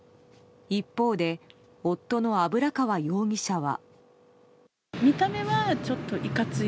一方で夫の油川容疑者は。